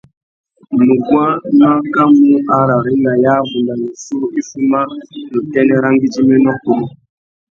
Nuguá nu akamú ararringa ya abunda wissú i fuma nà utênê râ ngüidjiménô kunú.